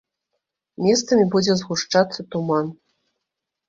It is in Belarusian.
Месцамі будзе згушчацца туман.